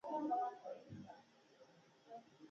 زموږ نړۍ له ماتو وعدو ډکه ده. خلک په خلکو باور نه کوي.